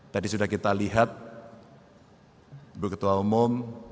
tadi sudah kita lihat ibu ketua umum